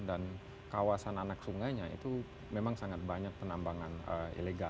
dan kawasan anak sungainya itu memang sangat banyak penambangan ilegal